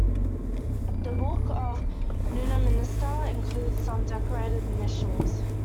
The Book of Nunnaminster includes some Decorated initials.